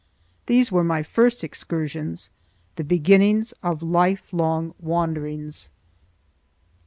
These were my first excursions,—the beginnings of lifelong wanderings.